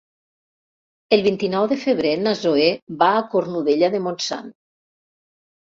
El vint-i-nou de febrer na Zoè va a Cornudella de Montsant.